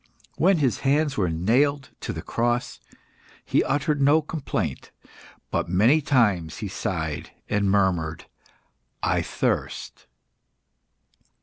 When his hands were nailed to the cross, he uttered no complaint, but many times he sighed and murmured, "I thirst."